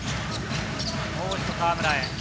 もう一度、河村へ。